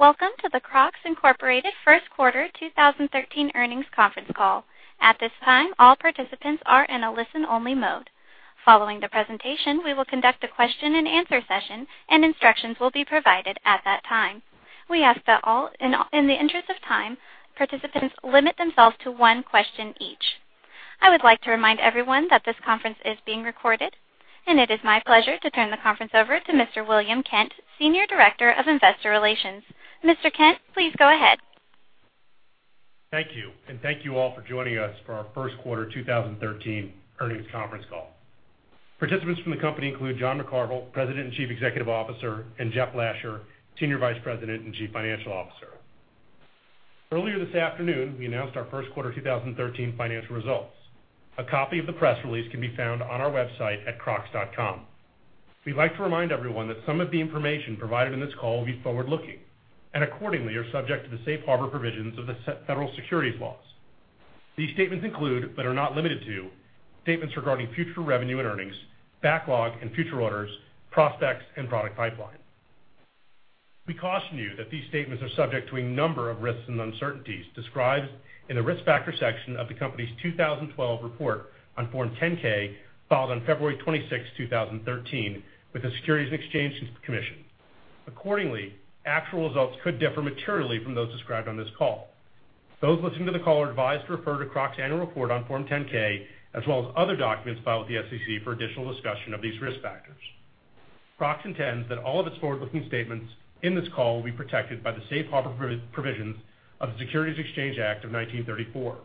Welcome to the Crocs, Inc. first quarter 2013 earnings conference call. At this time, all participants are in a listen-only mode. Following the presentation, we will conduct a question and answer session, and instructions will be provided at that time. We ask that in the interest of time, participants limit themselves to one question each. I would like to remind everyone that this conference is being recorded, and it is my pleasure to turn the conference over to Mr. William Kent, Senior Director of Investor Relations. Mr. Kent, please go ahead. Thank you. Thank you all for joining us for our first quarter 2013 earnings conference call. Participants from the company include John McCarvel, President and Chief Executive Officer, and Jeff Lasher, Senior Vice President and Chief Financial Officer. Earlier this afternoon, we announced our first quarter 2013 financial results. A copy of the press release can be found on our website at crocs.com. We'd like to remind everyone that some of the information provided in this call will be forward-looking, and accordingly, are subject to the safe harbor provisions of the federal securities laws. These statements include, but are not limited to, statements regarding future revenue and earnings, backlog and future orders, prospects, and product pipeline. We caution you that these statements are subject to a number of risks and uncertainties described in the Risk Factor section of the company's 2012 report on Form 10-K, filed on February 26, 2013, with the Securities and Exchange Commission. Accordingly, actual results could differ materially from those described on this call. Those listening to the call are advised to refer to Crocs' annual report on Form 10-K, as well as other documents filed with the SEC for additional discussion of these risk factors. Crocs intends that all of its forward-looking statements in this call will be protected by the safe harbor provisions of the Securities Exchange Act of 1934.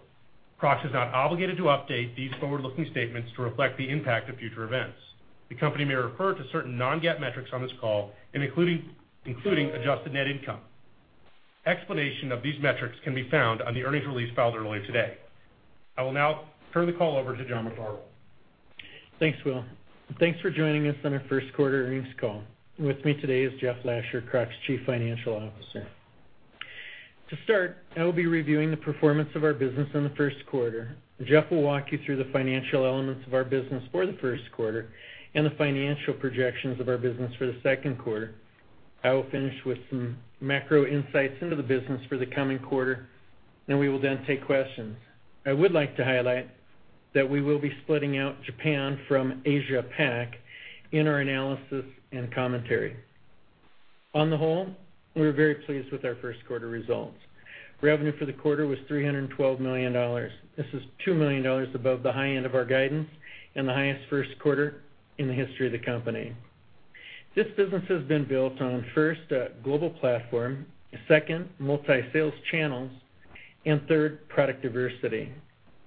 Crocs is not obligated to update these forward-looking statements to reflect the impact of future events. The company may refer to certain non-GAAP metrics on this call, including adjusted net income. Explanation of these metrics can be found on the earnings release filed earlier today. I will now turn the call over to John McCarvel. Thanks, Will, thanks for joining us on our first quarter earnings call. With me today is Jeff Lasher, Crocs' Chief Financial Officer. To start, I will be reviewing the performance of our business in the first quarter. Jeff will walk you through the financial elements of our business for the first quarter and the financial projections of our business for the second quarter. I will finish with some macro insights into the business for the coming quarter, and we will then take questions. I would like to highlight that we will be splitting out Japan from Asia-Pac in our analysis and commentary. On the whole, we're very pleased with our first quarter results. Revenue for the quarter was $312 million. This is $2 million above the high end of our guidance and the highest first quarter in the history of the company. This business has been built on, first, a global platform, second, multi-sales channels, and third, product diversity.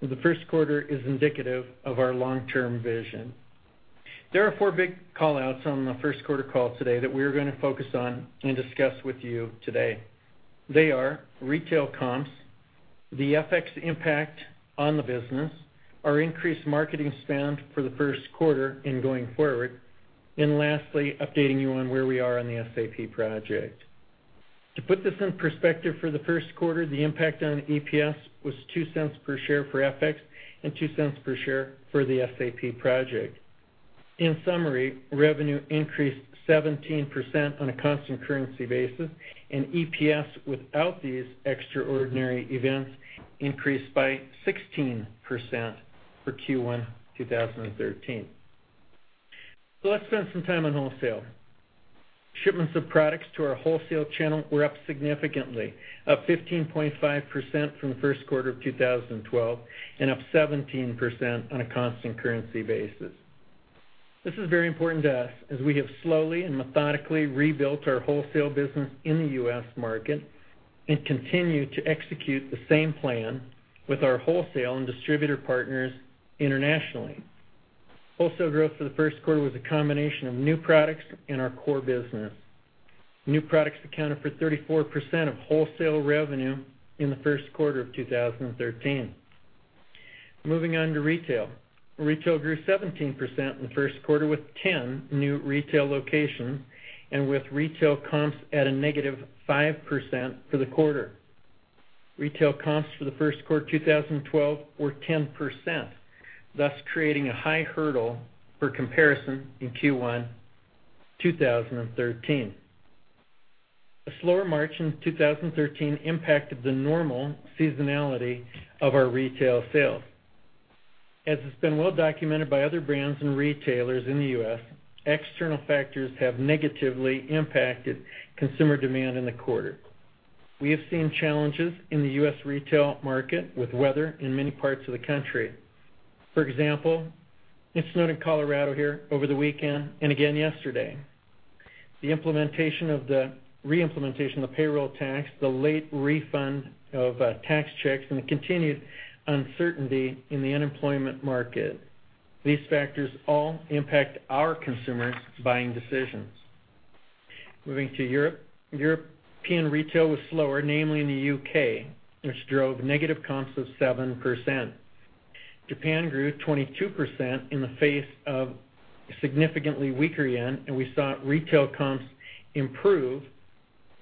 The first quarter is indicative of our long-term vision. There are four big call-outs on the first quarter call today that we are going to focus on and discuss with you today. They are retail comps, the FX impact on the business, our increased marketing spend for the first quarter and going forward, and lastly, updating you on where we are on the SAP project. To put this in perspective, for the first quarter, the impact on EPS was $0.02 per share for FX and $0.02 per share for the SAP project. In summary, revenue increased 17% on a constant currency basis, and EPS without these extraordinary events increased by 16% for Q1 2013. Let's spend some time on wholesale. Shipments of products to our wholesale channel were up significantly, up 15.5% from the first quarter of 2012 and up 17% on a constant currency basis. This is very important to us as we have slowly and methodically rebuilt our wholesale business in the U.S. market and continue to execute the same plan with our wholesale and distributor partners internationally. Wholesale growth for the first quarter was a combination of new products and our core business. New products accounted for 34% of wholesale revenue in the first quarter of 2013. Moving on to retail. Retail grew 17% in the first quarter, with 10 new retail locations and with retail comps at a negative 5% for the quarter. Retail comps for the first quarter 2012 were 10%, thus creating a high hurdle for comparison in Q1 2013. A slower March in 2013 impacted the normal seasonality of our retail sales. As it's been well documented by other brands and retailers in the U.S., external factors have negatively impacted consumer demand in the quarter. We have seen challenges in the U.S. retail market with weather in many parts of the country. For example, it snowed in Colorado here over the weekend and again yesterday. The reimplementation of the payroll tax, the late refund of tax checks, and the continued uncertainty in the unemployment market. These factors all impact our consumers' buying decisions. Moving to Europe. European retail was slower, namely in the U.K., which drove negative comps of 7%. Japan grew 22% in the face of significantly weaker JPY, and we saw retail comps improve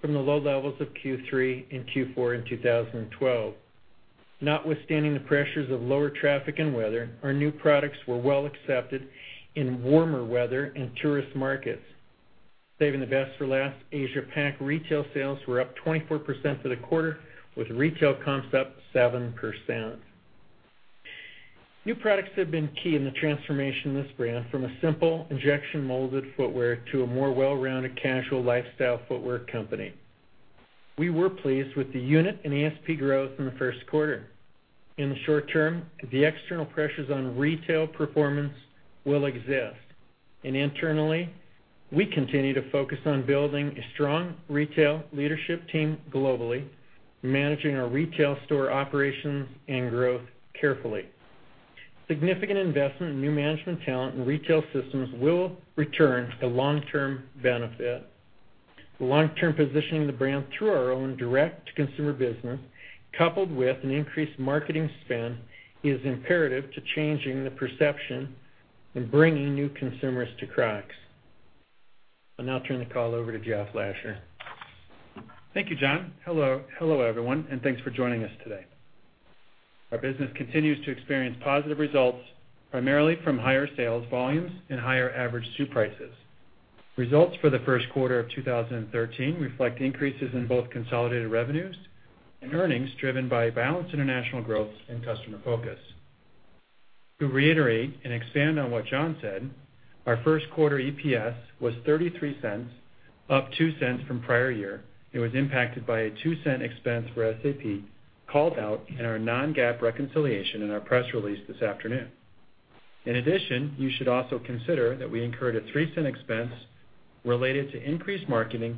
from the low levels of Q3 and Q4 in 2012. Notwithstanding the pressures of lower traffic and weather, our new products were well accepted in warmer weather and tourist markets. Saving the best for last, Asia Pac retail sales were up 24% for the quarter, with retail comps up 7%. New products have been key in the transformation of this brand from a simple injection molded footwear to a more well-rounded casual lifestyle footwear company. We were pleased with the unit and ASP growth in the first quarter. In the short term, the external pressures on retail performance will exist, and internally, we continue to focus on building a strong retail leadership team globally, managing our retail store operations and growth carefully. Significant investment in new management talent and retail systems will return a long-term benefit. The long-term positioning of the brand through our own direct-to-consumer business, coupled with an increased marketing spend, is imperative to changing the perception and bringing new consumers to Crocs. I'll now turn the call over to Jeff Lasher. Thank you, John. Hello, everyone, and thanks for joining us today. Our business continues to experience positive results, primarily from higher sales volumes and higher average shoe prices. Results for the first quarter of 2013 reflect increases in both consolidated revenues and earnings, driven by balanced international growth and customer focus. To reiterate and expand on what John said, our first quarter EPS was $0.33, up $0.02 from prior year. It was impacted by a $0.02 expense for SAP, called out in our non-GAAP reconciliation in our press release this afternoon. In addition, you should also consider that we incurred a $0.03 expense related to increased marketing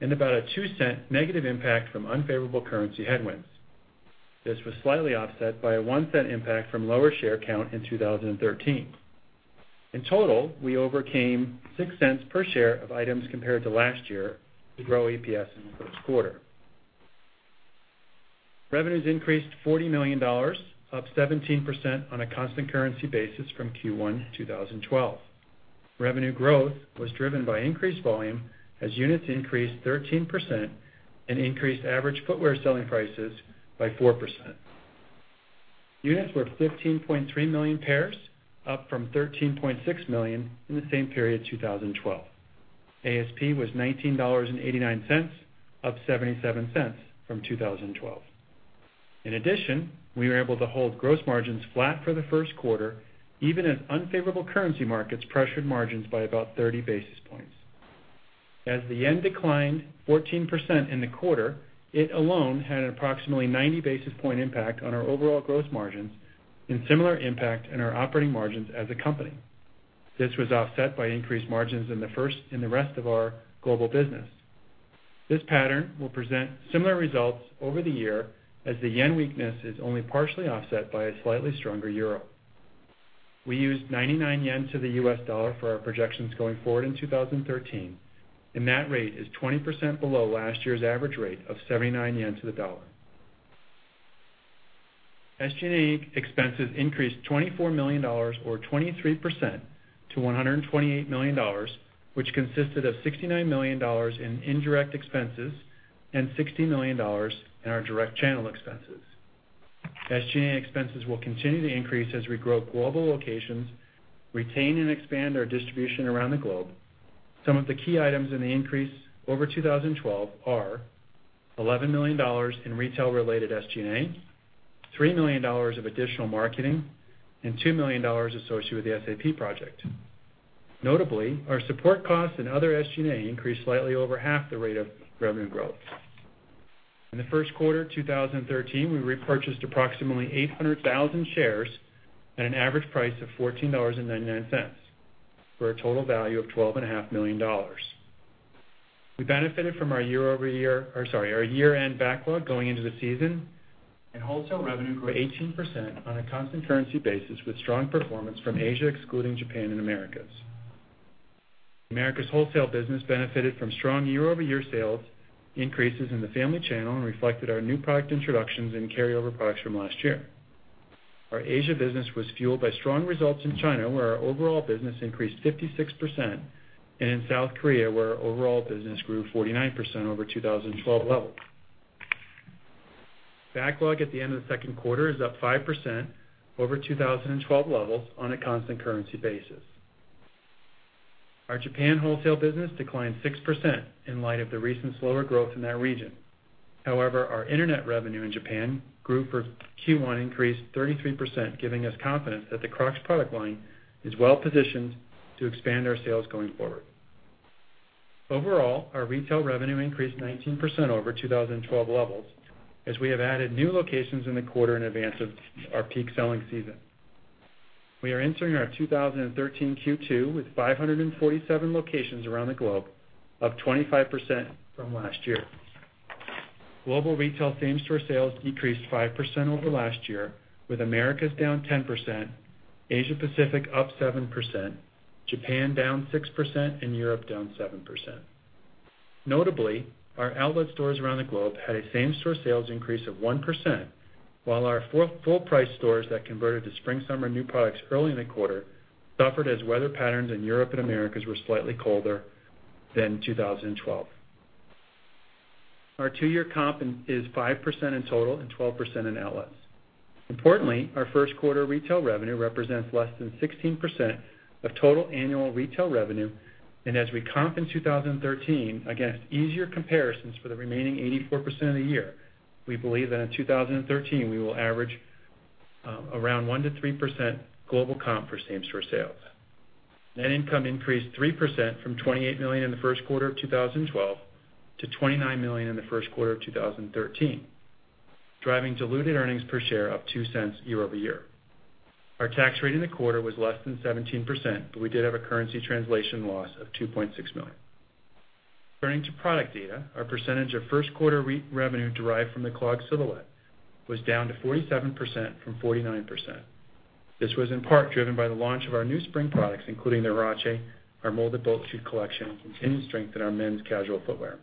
and about a $0.02 negative impact from unfavorable currency headwinds. This was slightly offset by a $0.01 impact from lower share count in 2013. In total, we overcame $0.06 per share of items compared to last year to grow EPS in the first quarter. Revenues increased $40 million, up 17% on a constant currency basis from Q1 2012. Revenue growth was driven by increased volume as units increased 13% and increased average footwear selling prices by 4%. Units were 15.3 million pairs, up from 13.6 million in the same period 2012. ASP was $19.89, up $0.77 from 2012. In addition, we were able to hold gross margins flat for the first quarter, even as unfavorable currency markets pressured margins by about 30 basis points. As the yen declined 14% in the quarter, it alone had an approximately 90 basis point impact on our overall gross margins and similar impact in our operating margins as a company. This was offset by increased margins in the rest of our global business. This pattern will present similar results over the year, as the yen weakness is only partially offset by a slightly stronger euro. We used 99 yen to the US dollar for our projections going forward in 2013, and that rate is 20% below last year's average rate of 79 yen to the dollar. SG&A expenses increased $24 million or 23% to $128 million, which consisted of $69 million in indirect expenses and $16 million in our direct channel expenses. SG&A expenses will continue to increase as we grow global locations, retain and expand our distribution around the globe. Some of the key items in the increase over 2012 are $11 million in retail-related SG&A, $3 million of additional marketing, and $2 million associated with the SAP project. Notably, our support costs and other SG&A increased slightly over half the rate of revenue growth. In the first quarter of 2013, we repurchased approximately 800,000 shares at an average price of $14.99, for a total value of $12.5 million. We benefited from our year-end backlog going into the season, wholesale revenue grew 18% on a constant currency basis, with strong performance from Asia, excluding Japan and Americas. Americas wholesale business benefited from strong year-over-year sales increases in the family channel and reflected our new product introductions and carryover products from last year. Our Asia business was fueled by strong results in China, where our overall business increased 56%, and in South Korea, where our overall business grew 49% over 2012 levels. Backlog at the end of the second quarter is up 5% over 2012 levels on a constant currency basis. Our Japan wholesale business declined 6% in light of the recent slower growth in that region. However, our internet revenue in Japan grew for Q1 increased 33%, giving us confidence that the Crocs product line is well-positioned to expand our sales going forward. Overall, our retail revenue increased 19% over 2012 levels as we have added new locations in the quarter in advance of our peak selling season. We are entering our 2013 Q2 with 547 locations around the globe, up 25% from last year. Global retail same-store sales decreased 5% over last year, with Americas down 10%, Asia Pacific up 7%, Japan down 6%, and Europe down 7%. Notably, our outlet stores around the globe had a same-store sales increase of 1%, while our full-price stores that converted to spring/summer new products early in the quarter suffered as weather patterns in Europe and Americas were slightly colder than 2012. Our two-year comp is 5% in total and 12% in outlets. Importantly, our first quarter retail revenue represents less than 16% of total annual retail revenue, as we comp in 2013 against easier comparisons for the remaining 84% of the year, we believe that in 2013, we will average around 1%-3% global comp for same-store sales. Net income increased 3%, from $28 million in the first quarter of 2012 to $29 million in the first quarter of 2013, driving diluted earnings per share up $0.02 year-over-year. Our tax rate in the quarter was less than 17%, we did have a currency translation loss of $2.6 million. Turning to product data, our percentage of first quarter revenue derived from the Clog silhouette was down to 47% from 49%. This was in part driven by the launch of our new spring products, including the Huarache, our molded boat shoe collection, continued strength in our men's casual footwear.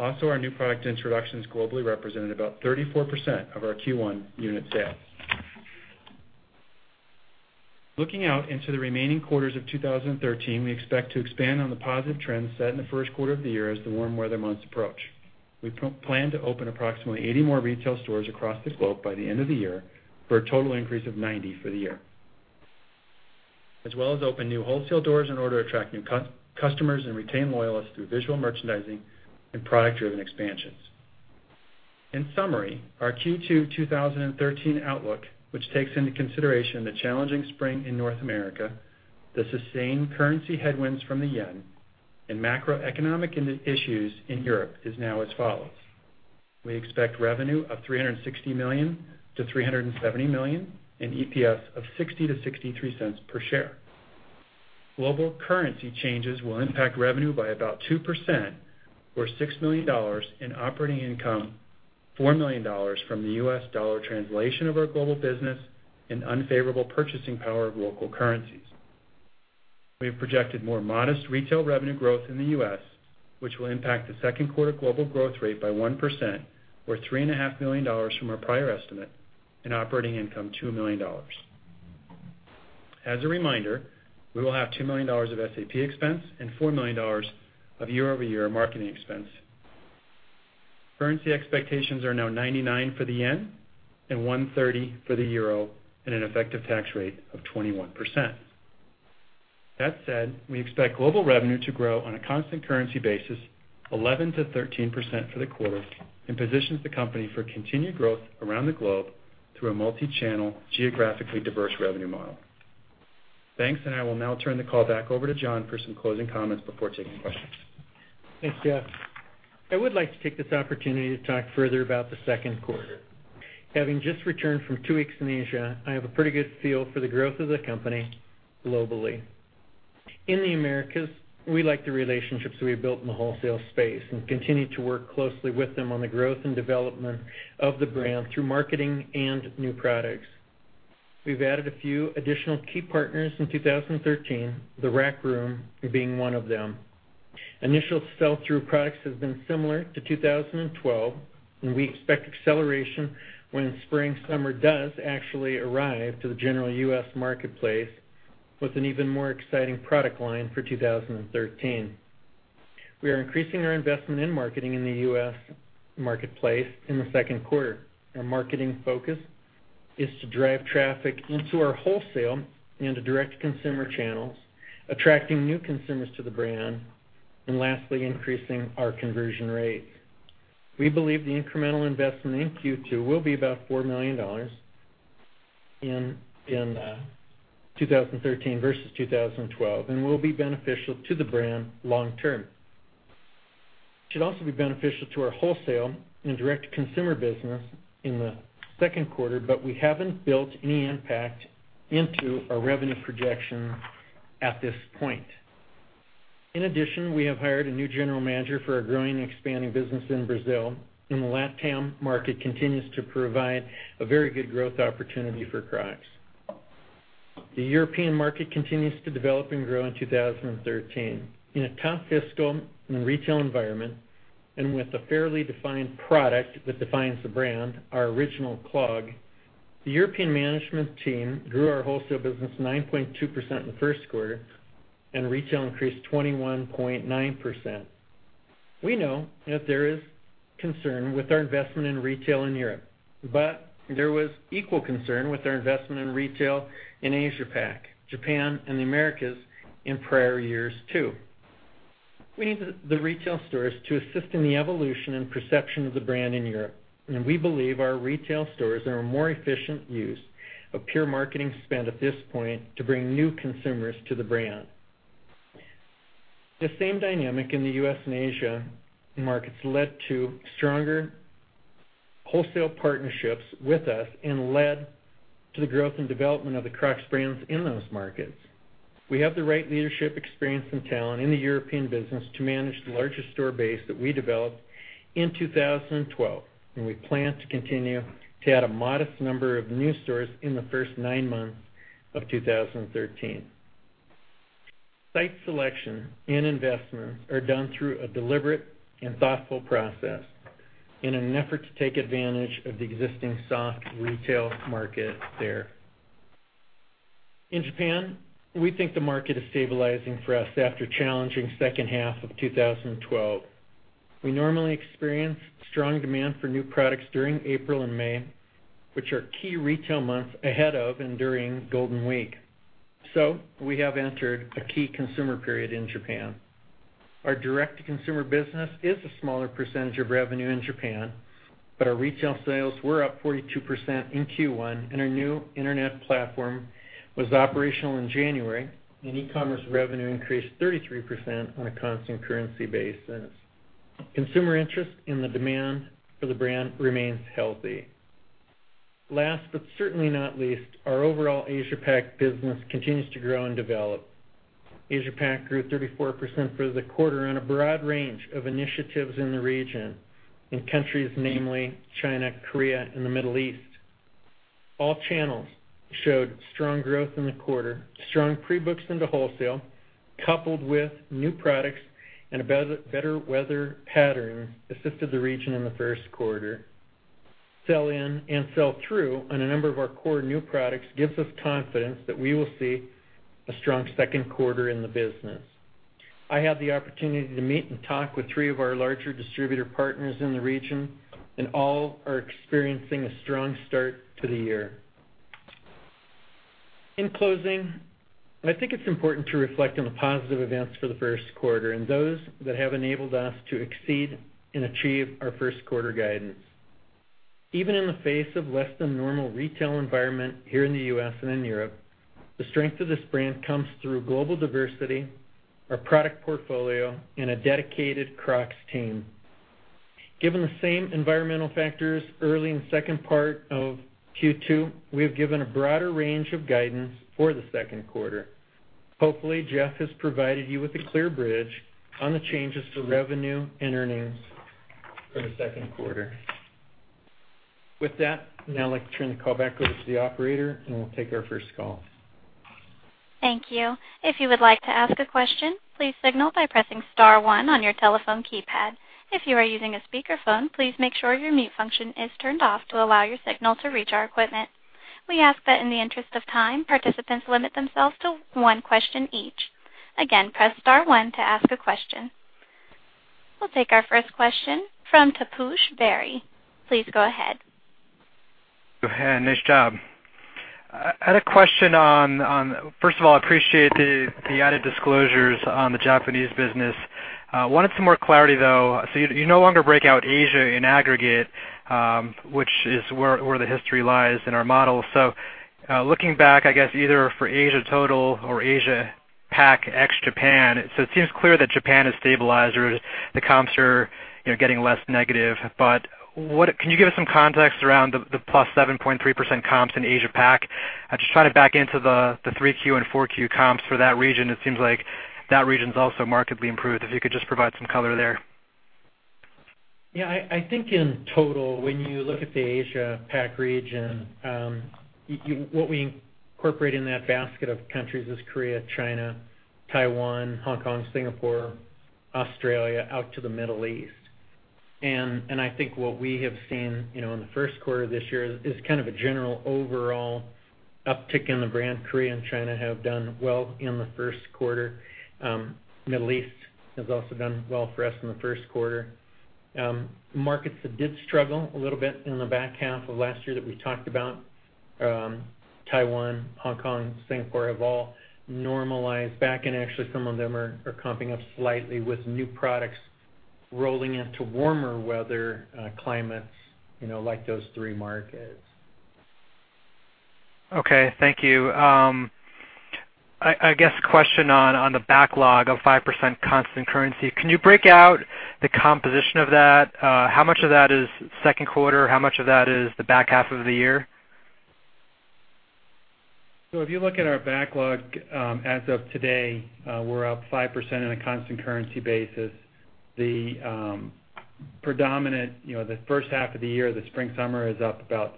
Also, our new product introductions globally represented about 34% of our Q1 unit sales. Looking out into the remaining quarters of 2013, we expect to expand on the positive trends set in the first quarter of the year as the warm weather months approach. We plan to open approximately 80 more retail stores across the globe by the end of the year for a total increase of 90 for the year, as well as open new wholesale doors in order to attract new customers and retain loyalists through visual merchandising and product-driven expansions. In summary, our Q2 2013 outlook, which takes into consideration the challenging spring in North America, the sustained currency headwinds from the yen, macroeconomic issues in Europe, is now as follows. We expect revenue of $360 million-$370 million, and EPS of $0.60-$0.63 per share. Global currency changes will impact revenue by about 2%, or $6 million in operating income, $4 million from the U.S. dollar translation of our global business, and unfavorable purchasing power of local currencies. We have projected more modest retail revenue growth in the U.S., which will impact the second quarter global growth rate by 1%, or $3.5 million from our prior estimate, and operating income, $2 million. As a reminder, we will have $2 million of SAP expense and $4 million of year-over-year marketing expense. Currency expectations are now 99 for the yen and 130 for the euro, and an effective tax rate of 21%. That said, we expect global revenue to grow on a constant currency basis 11%-13% for the quarter and positions the company for continued growth around the globe through a multi-channel, geographically diverse revenue model. Thanks, I will now turn the call back over to John for some closing comments before taking questions. Thanks, Jeff. I would like to take this opportunity to talk further about the second quarter. Having just returned from 2 weeks in Asia, I have a pretty good feel for the growth of the company globally. In the Americas, we like the relationships we have built in the wholesale space and continue to work closely with them on the growth and development of the brand through marketing and new products. We've added a few additional key partners in 2013, Rack Room Shoes being one of them. Initial sell-through products has been similar to 2012, and we expect acceleration when spring/summer does actually arrive to the general U.S. marketplace with an even more exciting product line for 2013. We are increasing our investment in marketing in the U.S. marketplace in the second quarter. Our marketing focus is to drive traffic into our wholesale and direct-to-consumer channels, attracting new consumers to the brand, and lastly, increasing our conversion rates. We believe the incremental investment in Q2 will be about $4 million in 2013 versus 2012 and will be beneficial to the brand long term. It should also be beneficial to our wholesale and direct-to-consumer business in the second quarter, but we haven't built any impact into our revenue projection at this point. In addition, we have hired a new general manager for our growing and expanding business in Brazil, and the LatAm market continues to provide a very good growth opportunity for Crocs. The European market continues to develop and grow in 2013. In a tough fiscal and retail environment and with a fairly defined product that defines the brand, our original Clog, the European management team grew our wholesale business 9.2% in the first quarter, and retail increased 21.9%. We know that there is concern with our investment in retail in Europe, but there was equal concern with our investment in retail in Asia Pac, Japan, and the Americas in prior years, too. We need the retail stores to assist in the evolution and perception of the brand in Europe, and we believe our retail stores are a more efficient use of pure marketing spend at this point to bring new consumers to the brand. The same dynamic in the U.S. and Asia markets led to stronger wholesale partnerships with us and led to the growth and development of the Crocs brands in those markets. We have the right leadership experience and talent in the European business to manage the largest store base that we developed in 2012, and we plan to continue to add a modest number of new stores in the first nine months of 2013. Site selection and investment are done through a deliberate and thoughtful process in an effort to take advantage of the existing soft retail market there. In Japan, we think the market is stabilizing for us after a challenging second half of 2012. We normally experience strong demand for new products during April and May, which are key retail months ahead of and during Golden Week. We have entered a key consumer period in Japan. Our direct-to-consumer business is a smaller percentage of revenue in Japan, but our retail sales were up 42% in Q1, and our new internet platform was operational in January, and e-commerce revenue increased 33% on a constant currency basis. Consumer interest in the demand for the brand remains healthy. Last, but certainly not least, our overall Asia-Pac business continues to grow and develop. Asia-Pac grew 34% for the quarter on a broad range of initiatives in the region, in countries namely China, Korea, and the Middle East. All channels showed strong growth in the quarter. Strong pre-books into wholesale, coupled with new products and a better weather pattern assisted the region in the first quarter. Sell-in and sell-through on a number of our core new products gives us confidence that we will see a strong second quarter in the business. I had the opportunity to meet and talk with three of our larger distributor partners in the region, and all are experiencing a strong start to the year. In closing, I think it's important to reflect on the positive events for the first quarter and those that have enabled us to exceed and achieve our first quarter guidance. Even in the face of less than normal retail environment here in the U.S. and in Europe, the strength of this brand comes through global diversity, our product portfolio, and a dedicated Crocs team. Given the same environmental factors early in the second part of Q2, we have given a broader range of guidance for the second quarter. Hopefully, Jeff has provided you with a clear bridge on the changes to revenue and earnings for the second quarter. With that, now I'd like to turn the call back over to the operator, and we'll take our first call. Thank you. If you would like to ask a question, please signal by pressing * one on your telephone keypad. If you are using a speakerphone, please make sure your mute function is turned off to allow your signal to reach our equipment. We ask that in the interest of time, participants limit themselves to one question each. Again, press * one to ask a question. We'll take our first question from Taposh Bari. Please go ahead. Go ahead. Nice job. I had a question. First of all, I appreciate the added disclosures on the Japanese business. Wanted some more clarity, though. You no longer break out Asia in aggregate, which is where the history lies in our model. Looking back, I guess, either for Asia total or Asia-Pac ex-Japan, it seems clear that Japan has stabilized, or the comps are getting less negative. Can you give us some context around the plus 7.3% comps in Asia-Pac? I'm just trying to back into the 3Q and 4Q comps for that region. It seems like that region's also markedly improved, if you could just provide some color there. Yeah. I think in total, when you look at the Asia-Pac region, what we incorporate in that basket of countries is Korea, China, Taiwan, Hong Kong, Singapore, Australia, out to the Middle East. I think what we have seen in the first quarter of this year is kind of a general overall uptick in the brand. Korea and China have done well in the first quarter. Middle East has also done well for us in the first quarter. Markets that did struggle a little bit in the back half of last year that we talked about Taiwan, Hong Kong, Singapore, have all normalized back, and actually some of them are comping up slightly with new products rolling into warmer weather climates like those three markets. Okay. Thank you. I guess question on the backlog of 5% constant currency, can you break out the composition of that? How much of that is second quarter? How much of that is the back half of the year? If you look at our backlog as of today, we're up 5% on a constant currency basis. The first half of the year, the spring/summer is up about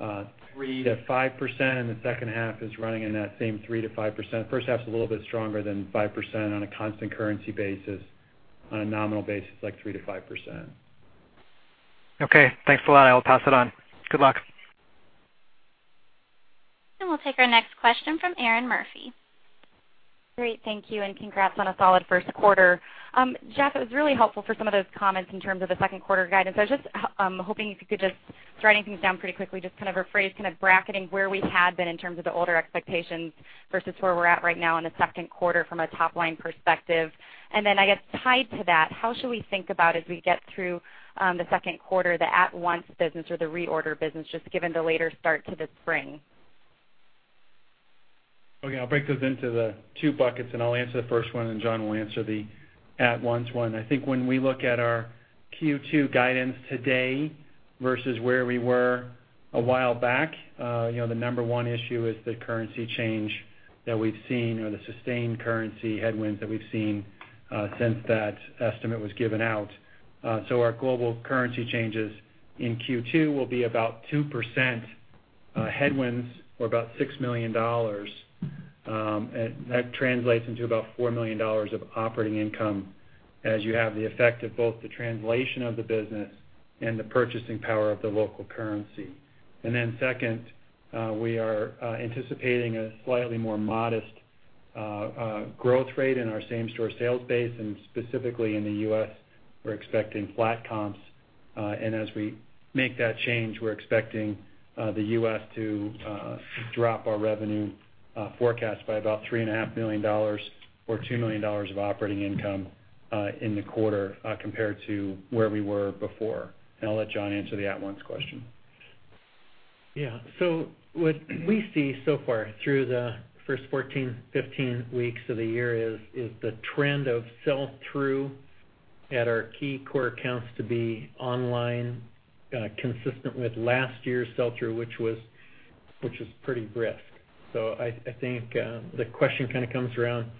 3%-5%, and the second half is running in that same 3%-5%. First half's a little bit stronger than 5% on a constant currency basis. On a nominal basis, like 3%-5%. Okay. Thanks a lot. I will pass it on. Good luck. We'll take our next question from Erinn Murphy. Great. Thank you, and congrats on a solid first quarter. Jeff, it was really helpful for some of those comments in terms of the second quarter guidance. I was just hoping if you could, writing things down pretty quickly, just kind of rephrase, kind of bracketing where we had been in terms of the older expectations versus where we're at right now in the second quarter from a top-line perspective. I guess tied to that, how should we think about as we get through the second quarter, the at once business or the reorder business, just given the later start to the spring? Okay. I'll break those into the two buckets, and I'll answer the first one, and John will answer the at once one. I think when we look at our Q2 guidance today versus where we were a while back, the number one issue is the currency change that we've seen or the sustained currency headwinds that we've seen since that estimate was given out. Our global currency changes in Q2 will be about 2% headwinds or about $6 million. That translates into about $4 million of operating income as you have the effect of both the translation of the business The purchasing power of the local currency. Second, we are anticipating a slightly more modest growth rate in our same-store sales base, and specifically in the U.S., we're expecting flat comps. As we make that change, we're expecting the U.S. to drop our revenue forecast by about $3.5 million or $2 million of operating income in the quarter compared to where we were before. I'll let John answer the At Once question. Yeah. What we see so far through the first 14, 15 weeks of the year is the trend of sell-through at our key core accounts to be online, consistent with last year's sell-through, which was pretty brisk. I think the question kind of comes around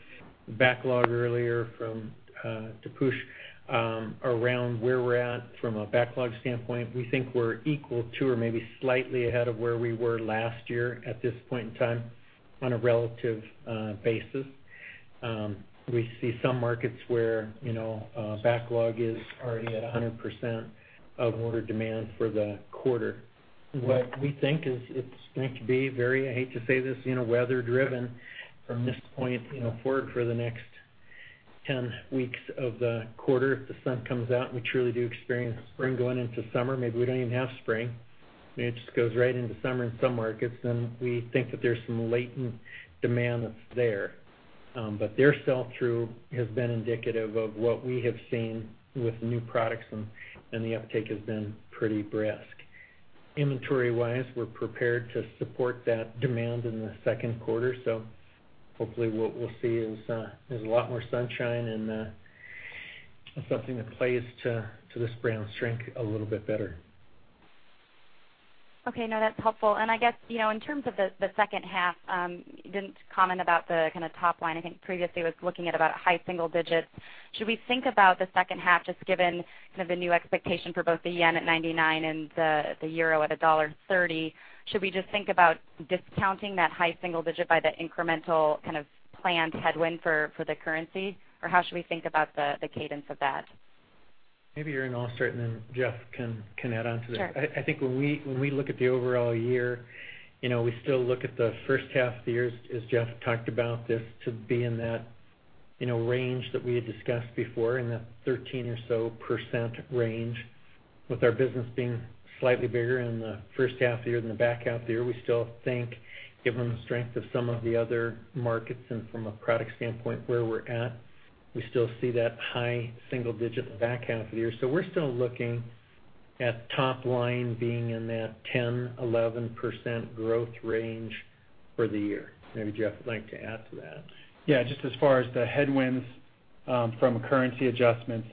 backlog earlier from Taposh around where we're at from a backlog standpoint. We think we're equal to or maybe slightly ahead of where we were last year at this point in time on a relative basis. We see some markets where backlog is already at 100% of order demand for the quarter. What we think is it's going to be very, I hate to say this, weather driven from this point forward for the next 10 weeks of the quarter. If the sun comes out and we truly do experience spring going into summer, maybe we don't even have spring, maybe it just goes right into summer in some markets, then we think that there's some latent demand that's there. Their sell-through has been indicative of what we have seen with new products, and the uptake has been pretty brisk. Inventory-wise, we're prepared to support that demand in the second quarter. Hopefully, what we'll see is a lot more sunshine and something that plays to the spring on strength a little bit better. Okay. No, that's helpful. I guess, in terms of the second half, you didn't comment about the kind of top line. I think previously was looking at about high single digits. Should we think about the second half just given kind of the new expectation for both the JPY at 99 and the 1.30 euro? Should we just think about discounting that high single digit by the incremental kind of planned headwind for the currency? Or how should we think about the cadence of that? Maybe you're going to start, then Jeff can add on to that. Sure. I think when we look at the overall year, we still look at the first half of the year, as Jeff talked about this, to be in that range that we had discussed before, in that 13% or so range. With our business being slightly bigger in the first half of the year than the back half of the year, we still think given the strength of some of the other markets and from a product standpoint, where we're at, we still see that high single digit in the back half of the year. We're still looking at top line being in that 10%, 11% growth range for the year. Maybe Jeff would like to add to that. Yeah, just as far as the headwinds from a currency adjustment,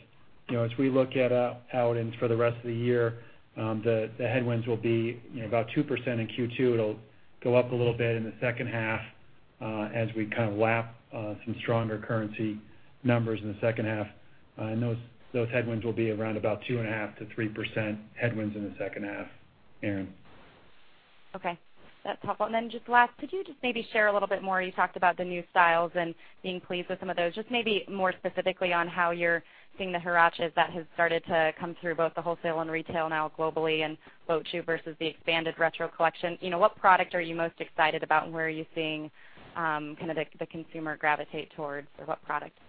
as we look out into for the rest of the year, the headwinds will be about 2% in Q2. It will go up a little bit in the second half as we kind of lap some stronger currency numbers in the second half. Those headwinds will be around about 2.5%-3% headwinds in the second half, Erinn. Okay. That's helpful. Then just last, could you just maybe share a little bit more? You talked about the new styles and being pleased with some of those. Just maybe more specifically on how you're seeing the Huaraches that have started to come through both the wholesale and retail now globally and boat shoe versus the expanded retro collection. What product are you most excited about, and where are you seeing kind of the consumer gravitate towards or what product? Yeah,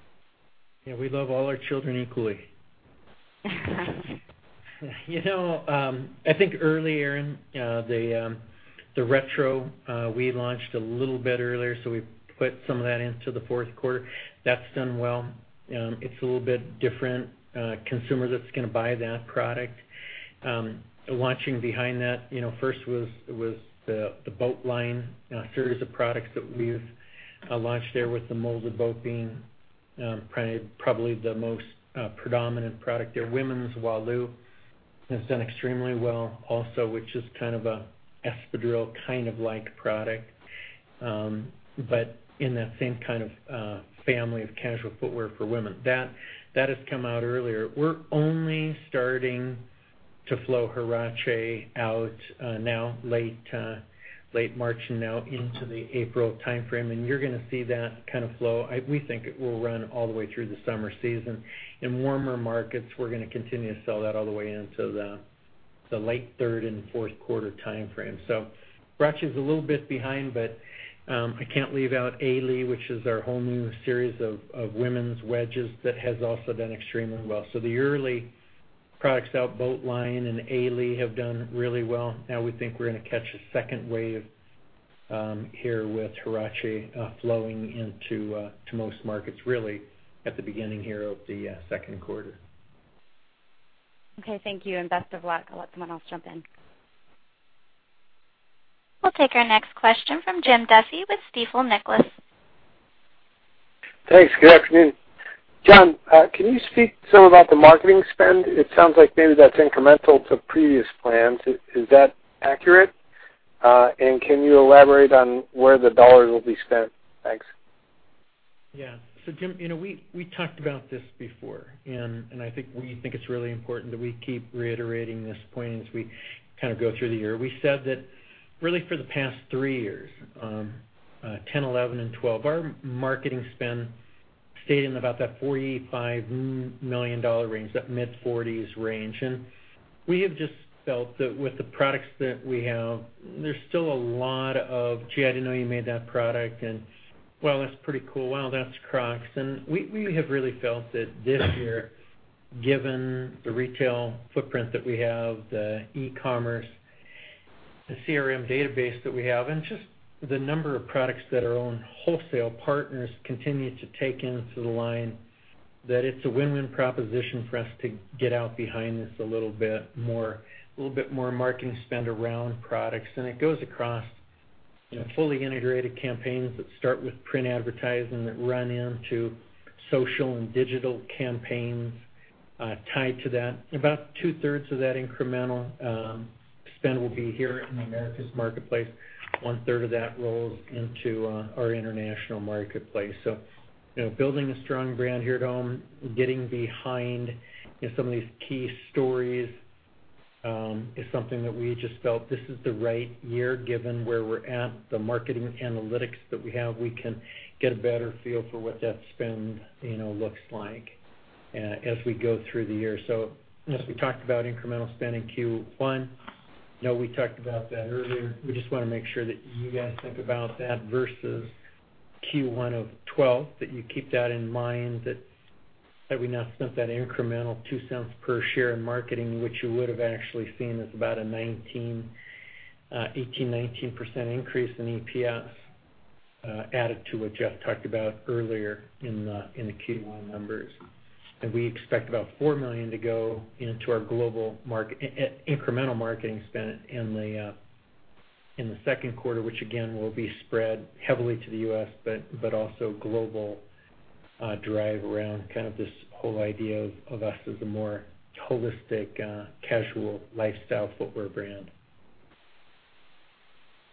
we love all our children equally. I think early, Erinn, the retro we launched a little bit earlier, so we put some of that into the fourth quarter. That's done well. It's a little bit different consumer that's going to buy that product. Launching behind that, first was the boat line series of products that we've launched there with the molded boat being probably the most predominant product there. Women's Walu has done extremely well also, which is kind of an espadrille kind of like product but in that same kind of family of casual footwear for women. That has come out earlier. We're only starting to flow Huarache out now, late March and now into the April timeframe, and you're going to see that kind of flow. We think it will run all the way through the summer season. In warmer markets, we're going to continue to sell that all the way into the late third and fourth quarter timeframe. Huarache is a little bit behind, but I can't leave out Aili, which is our whole new series of women's wedges that has also done extremely well. The early products out, boat line and Aili, have done really well. Now we think we're going to catch a second wave here with Huarache flowing into most markets, really at the beginning here of the second quarter. Okay, thank you, and best of luck. I'll let someone else jump in. We'll take our next question from Jim Duffy with Stifel Nicolaus. Thanks. Good afternoon. John, can you speak some about the marketing spend? It sounds like maybe that's incremental to previous plans. Is that accurate? Can you elaborate on where the $ will be spent? Thanks. Yeah. Jim, we talked about this before, and I think we think it's really important that we keep reiterating this point as we kind of go through the year. We said that really for the past three years, 2010, 2011, and 2012, our marketing spend stayed in about that $45 million range, that mid-40s range. We have just felt that with the products that we have, there's still a lot of, "Gee, I didn't know you made that product," and, "Wow, that's pretty cool. Wow, that's Crocs." We have really felt that this year, given the retail footprint that we have, the e-commerce, the CRM database that we have, and just the number of products that our own wholesale partners continue to take into the line, that it's a win-win proposition for us to get out behind this a little bit more, a little bit more marketing spend around products. It goes across fully integrated campaigns that start with print advertising that run into social and digital campaigns, tied to that. About two-thirds of that incremental spend will be here in the Americas marketplace. One-third of that rolls into our international marketplace. Building a strong brand here at home, getting behind some of these key stories, is something that we just felt this is the right year given where we're at, the marketing analytics that we have, we can get a better feel for what that spend looks like as we go through the year. As we talked about incremental spend in Q1, I know we talked about that earlier. We just want to make sure that you guys think about that versus Q1 of 2012, that you keep that in mind that we now spent that incremental $0.02 per share in marketing, which you would have actually seen as about an 18%-19% increase in EPS, added to what Jeff talked about earlier in the Q1 numbers. We expect about $4 million to go into our global incremental marketing spend in the second quarter, which again, will be spread heavily to the U.S., but also global drive around kind of this whole idea of us as a more holistic, casual lifestyle footwear brand.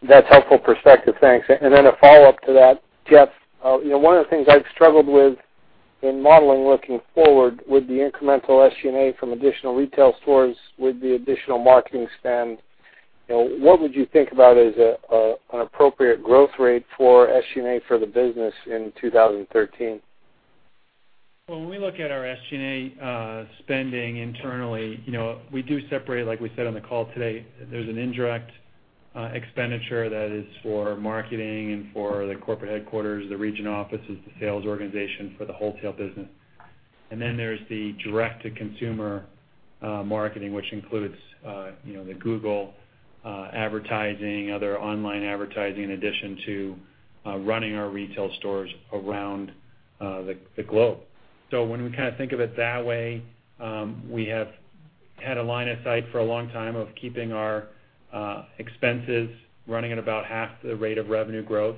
That's helpful perspective. Thanks. Then a follow-up to that, Jeff, one of the things I've struggled with in modeling looking forward with the incremental SG&A from additional retail stores with the additional marketing spend, what would you think about as an appropriate growth rate for SG&A for the business in 2013? Well, when we look at our SG&A spending internally, we do separate, like we said on the call today, there's an indirect expenditure that is for marketing and for the corporate headquarters, the region offices, the sales organization for the wholesale business. There's the direct-to-consumer marketing, which includes the Google advertising, other online advertising, in addition to running our retail stores around the globe. When we kind of think of it that way, we have had a line of sight for a long time of keeping our expenses running at about half the rate of revenue growth,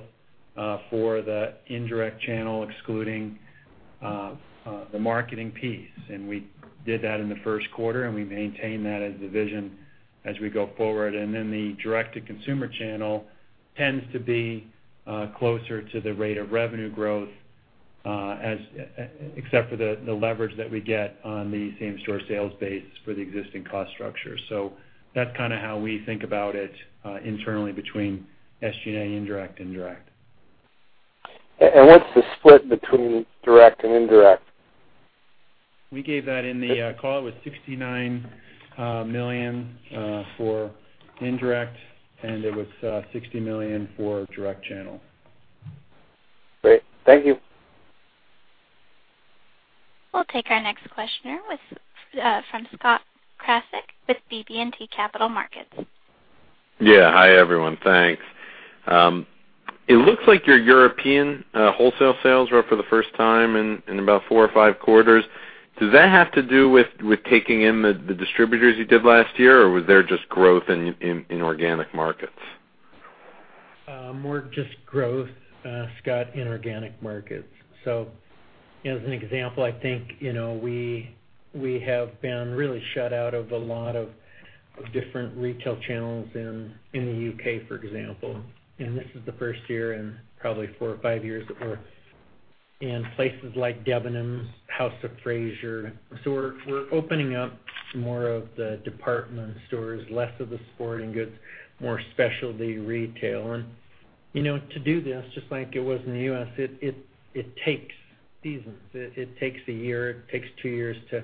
for the indirect channel, excluding the marketing piece. We did that in the first quarter, and we maintain that as the vision as we go forward. The direct-to-consumer channel tends to be closer to the rate of revenue growth, except for the leverage that we get on the same-store sales base for the existing cost structure. That's kind of how we think about it internally between SG&A indirect. What's the split between direct and indirect? We gave that in the call. It was $69 million for indirect. It was $60 million for direct channel. Great. Thank you. We'll take our next questioner from Scott Krasik with BB&T Capital Markets. Yeah. Hi, everyone. Thanks. It looks like your European wholesale sales were up for the first time in about four or five quarters. Does that have to do with taking in the distributors you did last year, or was there just growth in organic markets? More just growth, Scott, in organic markets. As an example, I think, we have been really shut out of a lot of different retail channels in the U.K., for example. This is the first year in probably four or five years that we're in places like Debenhams, House of Fraser. We're opening up more of the department stores, less of the sporting goods, more specialty retail. To do this, just like it was in the U.S., it takes seasons. It takes a year, it takes two years to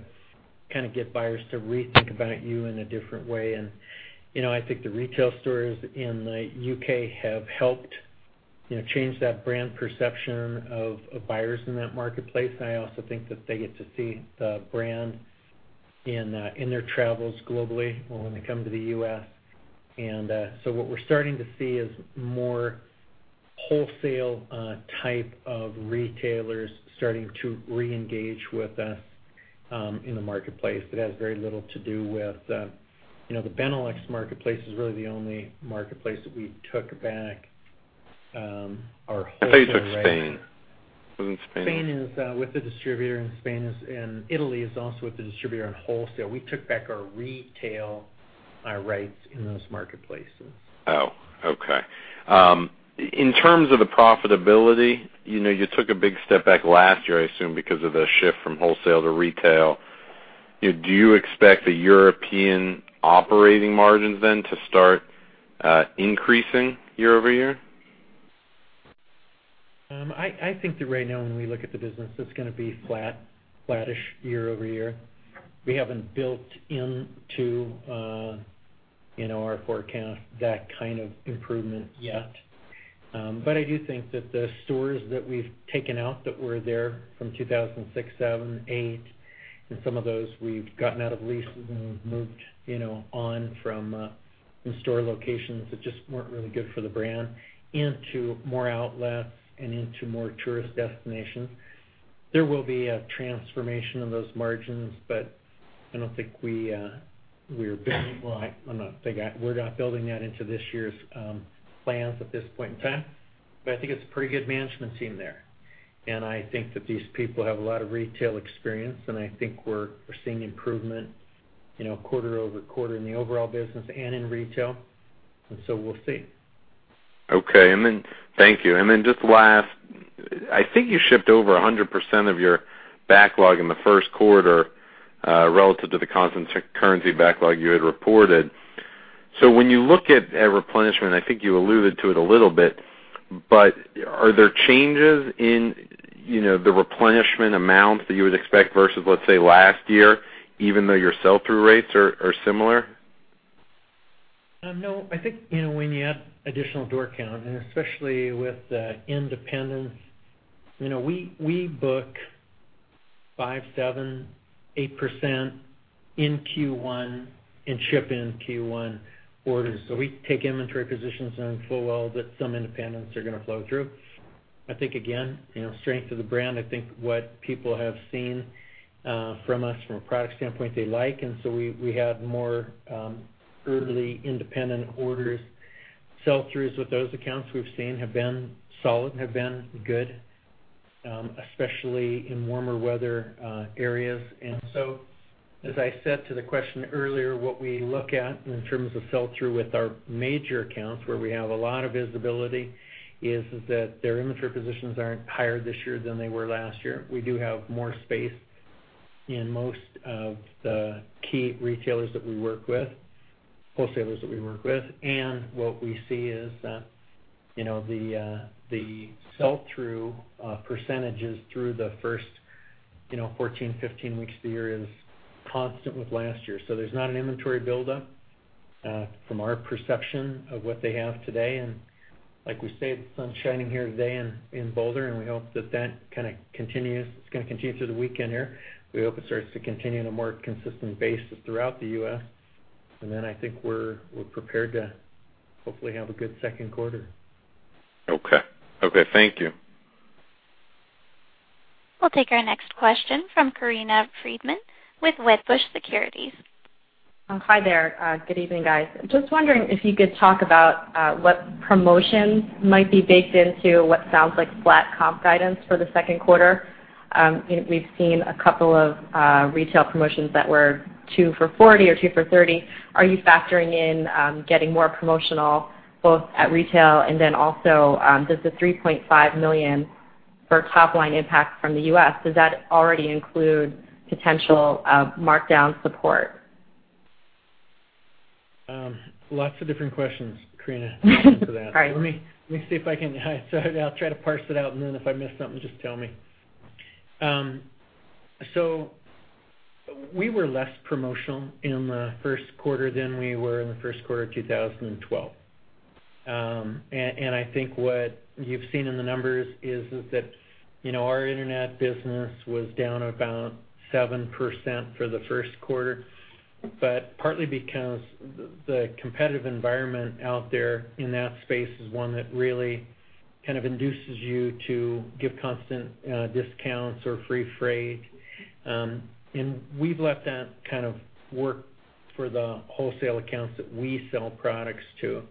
kind of get buyers to rethink about you in a different way. I think the retail stores in the U.K. have helped change that brand perception of buyers in that marketplace. I also think that they get to see the brand in their travels globally or when they come to the U.S. What we're starting to see is more wholesale type of retailers starting to reengage with us in the marketplace. It has very little to do with the Benelux marketplace is really the only marketplace that we took back our wholesale rights. I thought you took Spain. Was it Spain? Spain is with the distributor, and Italy is also with the distributor on wholesale. We took back our retail rights in those marketplaces. Oh, okay. In terms of the profitability, you took a big step back last year, I assume, because of the shift from wholesale to retail. Do you expect the European operating margins then to start increasing year-over-year? I think that right now when we look at the business, it's going to be flattish year-over-year. We haven't built into our forecast that kind of improvement yet. I do think that the stores that we've taken out that were there from 2006, 2007, 2008, and some of those we've gotten out of leases and we've moved on from in-store locations that just weren't really good for the brand into more outlets and into more tourist destinations. There will be a transformation of those margins, but I don't think we're building that into this year's plans at this point in time. I think it's a pretty good management team there, and I think that these people have a lot of retail experience, and I think we're seeing improvement quarter-over-quarter in the overall business and in retail. We'll see. Okay. Thank you. Just last, I think you shipped over 100% of your backlog in the first quarter relative to the constant currency backlog you had reported. When you look at replenishment, I think you alluded to it a little bit, but are there changes in the replenishment amounts that you would expect versus, let's say, last year, even though your sell-through rates are similar? No, I think, when you add additional door count, and especially with the independents, we book 5%, 7%, 8% in Q1 and ship in Q1 orders. We take inventory positions knowing full well that some independents are going to flow through. I think, again, strength of the brand, I think what people have seen from us from a product standpoint, they like, we had more early independent orders. Sell-throughs with those accounts we've seen have been solid and have been good, especially in warmer weather areas. As I said to the question earlier, what we look at in terms of sell-through with our major accounts, where we have a lot of visibility, is that their inventory positions aren't higher this year than they were last year. We do have more space in most of the key retailers that we work with, wholesalers that we work with. What we see is the sell-through percentages through the first 14, 15 weeks of the year is constant with last year. There's not an inventory buildup from our perception of what they have today. Like we say, the sun's shining here today in Boulder, and we hope that that kind of continues. It's going to continue through the weekend here. We hope it starts to continue on a more consistent basis throughout the U.S. I think we're prepared to hopefully have a good second quarter. Okay. Thank you. We'll take our next question from Corinna Freedman with Wedbush Securities. Hi there. Good evening, guys. Just wondering if you could talk about what promotions might be baked into what sounds like flat comp guidance for the second quarter. We've seen a couple of retail promotions that were two for $40 or two for $30. Are you factoring in getting more promotional both at retail, and then also does the $3.5 million for top-line impact from the U.S., does that already include potential markdown support? Lots of different questions, Corinna, into that. Sorry. Let me see if I'll try to parse it out. Then if I miss something, just tell me. We were less promotional in the first quarter than we were in the first quarter of 2012. I think what you've seen in the numbers is that our internet business was down about 7% for the first quarter, but partly because the competitive environment out there in that space is one that really kind of induces you to give constant discounts or free freight. We've let that kind of work for the wholesale accounts that we sell products to.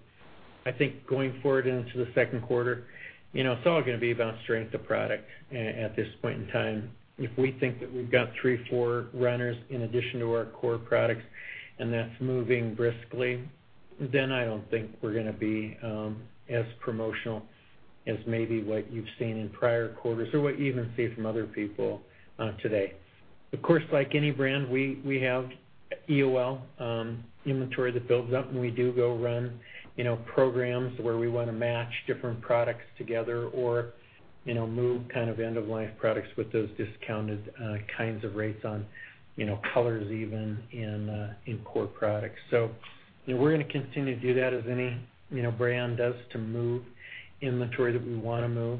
I think going forward into the second quarter, it's all going to be about strength of product at this point in time. If we think that we've got three, four runners in addition to our core products, that's moving briskly, I don't think we're going to be as promotional as maybe what you've seen in prior quarters or what you even see from other people today. Of course, like any brand, we have EOL inventory that builds up. We do go run programs where we want to match different products together or move kind of end-of-life products with those discounted kinds of rates on colors even in core products. We're going to continue to do that as any brand does to move inventory that we want to move.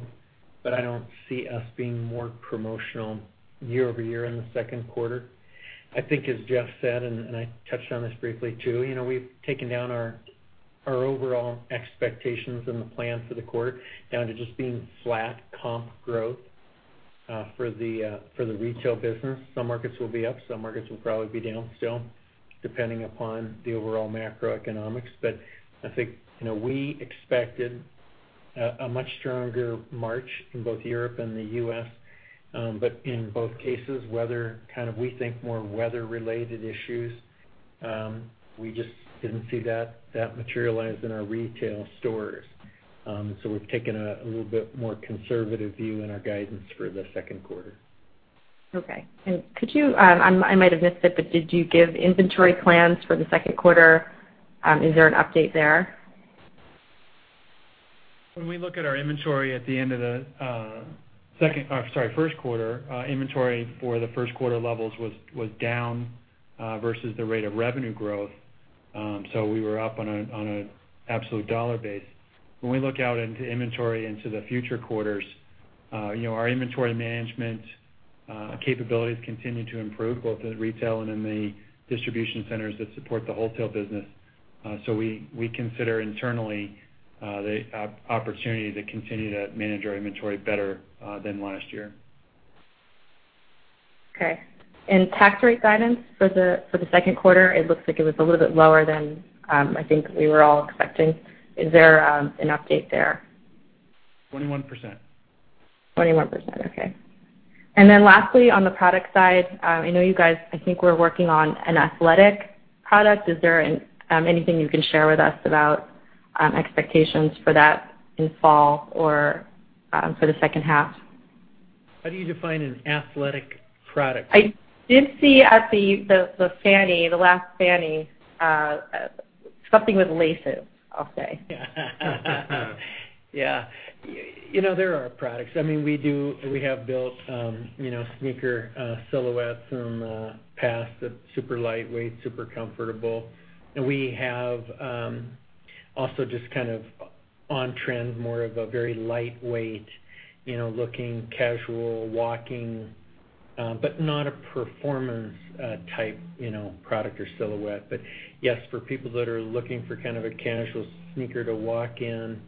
I don't see us being more promotional year-over-year in the second quarter. I think, as Jeff said, I touched on this briefly too, we've taken down our overall expectations and the plan for the quarter down to just being flat comp growth for the retail business. Some markets will be up, some markets will probably be down still, depending upon the overall macroeconomics. I think we expected a much stronger March in both Europe and the U.S. In both cases, we think more weather-related issues. We just didn't see that materialize in our retail stores. We've taken a little bit more conservative view in our guidance for the second quarter. Okay. Did you give inventory plans for the second quarter? Is there an update there? When we look at our inventory at the end of the first quarter, inventory for the first quarter levels was down, versus the rate of revenue growth. We were up on an absolute dollar basis. When we look out into inventory into the future quarters, our inventory management capabilities continue to improve both in retail and in the distribution centers that support the wholesale business. We consider internally the opportunity to continue to manage our inventory better than last year. Okay. Tax rate guidance for the second quarter, it looks like it was a little bit lower than, I think we were all expecting. Is there an update there? 21%. 21%, okay. Lastly, on the product side, I know you guys, I think were working on an athletic product. Is there anything you can share with us about expectations for that in fall or for the second half? How do you define an athletic product? I did see at the last [fanny], something with laces, I'll say. Yeah. There are products. We have built sneaker silhouettes from the past, that super lightweight, super comfortable. We have, also just on trend, more of a very lightweight, looking casual walking, but not a performance type product or silhouette. Yes, for people that are looking for kind of a casual sneaker to walk in,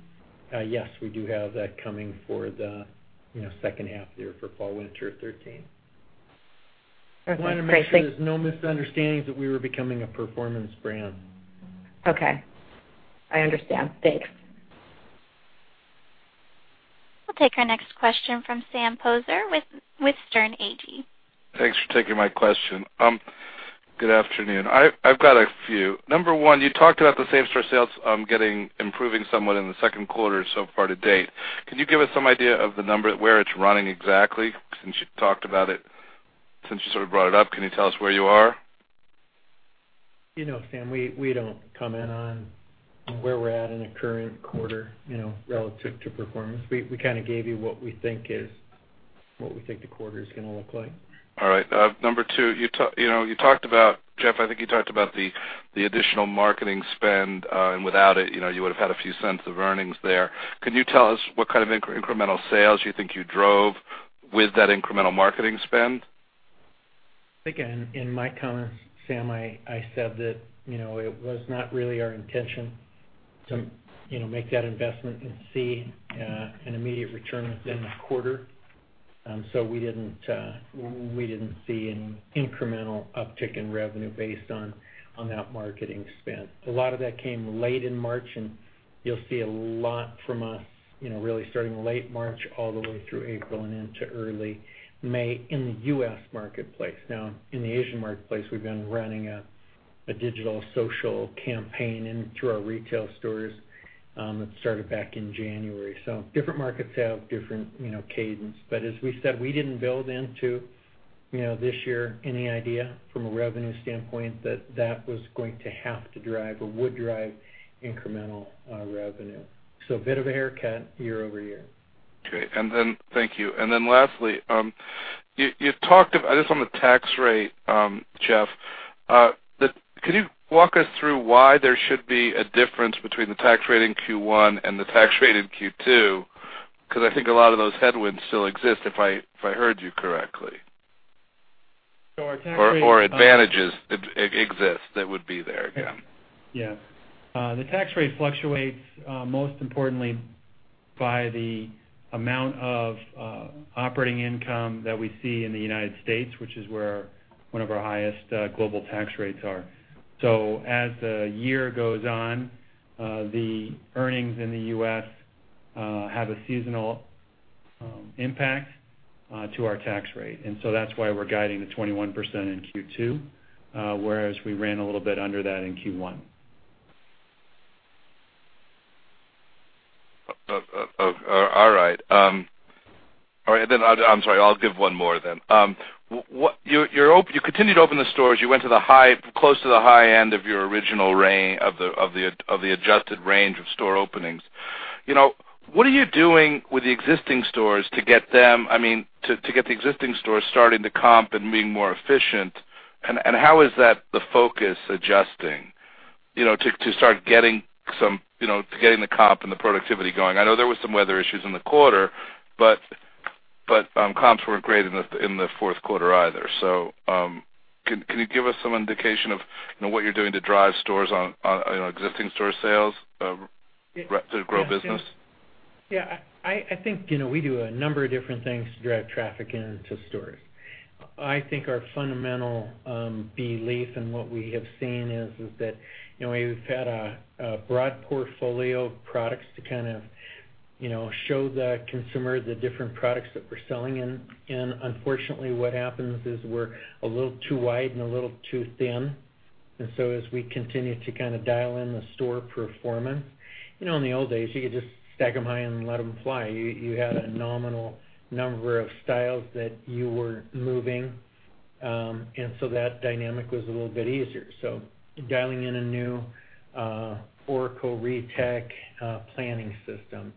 yes, we do have that coming for the second half of the year for fall/winter 2013. Okay, great. Thanks. I want to make sure there's no misunderstandings that we were becoming a performance brand. Okay. I understand. Thanks. We'll take our next question from Sam Poser with Sterne Agee. Thanks for taking my question. Good afternoon. I've got a few. Number one, you talked about the same-store sales improving somewhat in the second quarter so far to date. Can you give us some idea of the number, where it's running exactly? Since you sort of brought it up, can you tell us where you are? Sam, we don't comment on where we're at in a current quarter, relative to performance. We kind of gave you what we think the quarter's going to look like. All right. Number two, Jeff, I think you talked about the additional marketing spend. Without it, you would've had a few cents of earnings there. Can you tell us what kind of incremental sales you think you drove with that incremental marketing spend? Again, in my comments, Sam, I said that it was not really our intention to make that investment and see an immediate return within the quarter. We didn't see any incremental uptick in revenue based on that marketing spend. A lot of that came late in March, and you'll see a lot from us really starting late March all the way through April and into early May in the U.S. marketplace. In the Asian marketplace, we've been running a digital social campaign in through our retail stores that started back in January. Different markets have different cadence. As we said, we didn't build into this year any idea from a revenue standpoint that that was going to have to drive or would drive incremental revenue. A bit of a haircut year-over-year. Great. Thank you. Lastly, this on the tax rate, Jeff. Could you walk us through why there should be a difference between the tax rate in Q1 and the tax rate in Q2? I think a lot of those headwinds still exist, if I heard you correctly. Our tax rate- Advantages exist that would be there again. Yeah. The tax rate fluctuates, most importantly, by the amount of operating income that we see in the U.S., which is where one of our highest global tax rates are. As the year goes on, the earnings in the U.S. have a seasonal impact to our tax rate. That's why we're guiding the 21% in Q2, whereas we ran a little bit under that in Q1. All right. I'm sorry, I'll give one more then. You continued to open the stores. You went close to the high end of the adjusted range of store openings. What are you doing with the existing stores to get the existing stores starting to comp and being more efficient? How is that the focus adjusting to start getting the comp and the productivity going? I know there was some weather issues in the quarter, but comps weren't great in the fourth quarter either. Can you give us some indication of what you're doing to drive existing store sales to grow business? I think we do a number of different things to drive traffic into stores. I think our fundamental belief and what we have seen is that, we've had a broad portfolio of products to kind of show the consumer the different products that we're selling. Unfortunately, what happens is we're a little too wide and a little too thin. As we continue to kind of dial in the store performance, in the old days, you could just stack them high and let them fly. You had a nominal number of styles that you were moving. That dynamic was a little bit easier. Dialing in a new Oracle Retail planning system,